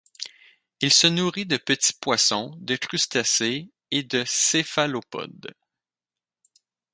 Il se nourrit de petits poissons, de crustacés et de céphalopodes.